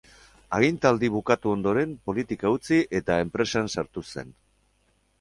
Agintaldia bukatu ondoren, politika utzi eta enpresan sartu zen.